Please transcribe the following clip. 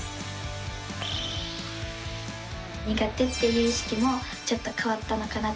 苦手っていう意識もちょっと変わったのかなと。